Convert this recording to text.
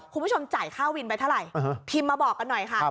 จ่ายค่าวินไปเท่าไหร่พิมพ์มาบอกกันหน่อยค่ะ